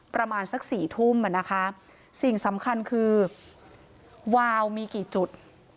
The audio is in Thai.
ประมาณสักสี่ทุ่มอ่ะนะคะสิ่งสำคัญคือวาวมีกี่จุด